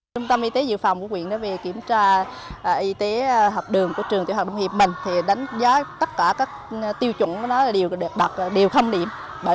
trung tâm y tế dự phòng của quyền đó về kiểm tra y tế học đường của trường tiểu học đồng hiệp mình thì đánh giá tất cả các tiêu chuẩn của nó đạt đều điểm